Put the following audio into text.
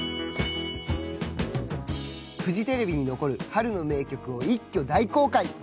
［フジテレビに残る春の名曲を一挙大公開］